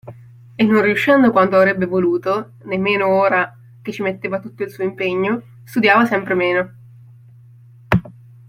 E non riuscendo quanto avrebbe voluto, né meno ora che ci metteva tutto il suo impegno, studiava sempre meno!